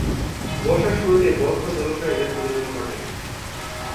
বর্ষার শুরুতে বদ্ধ জলাশয়ে এদের প্রজনন ঘটে।